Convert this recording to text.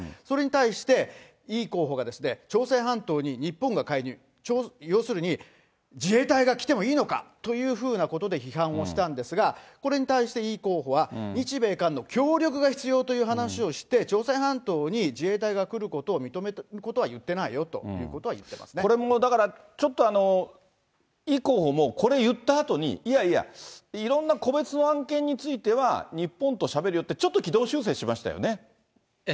それに対して、イ候補が朝鮮半島に日本が介入、要するに、自衛隊が来てもいいのかというふうなことで批判をしたんですが、これに対して、イ候補は日米韓の協力が必要という話をして、朝鮮半島に自衛隊が来ることを認めることは言ってないよというここれもだから、ちょっとイ候補もこれ言ったあとに、いやいや、いろんな個別の案件については日本としゃべるよって、ちょっと軌道修正しましたよね。